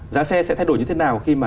giá xe sẽ thay đổi như thế nào khi mà